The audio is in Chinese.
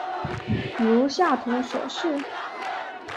如下图所示。